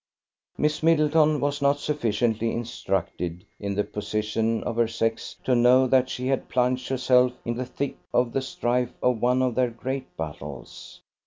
Miss Middleton was not sufficiently instructed in the position of her sex to know that she had plunged herself in the thick of the strife of one of their great battles.